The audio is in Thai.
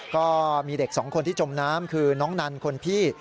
ก็มีเด็กสองคนที่จมน้ำคือน้องนันคนพี่